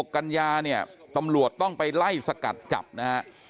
กัญญาเนี่ยตำรวจต้องไปไล่สกัดจับนะฮะ